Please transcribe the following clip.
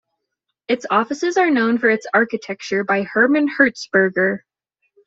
Its offices are known for its architecture by Herman Hertzberger.